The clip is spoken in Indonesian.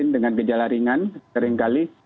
jangan sampai pada saat dia terserang covid sembilan belas